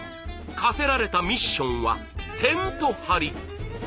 課せられたミッションはテント張り！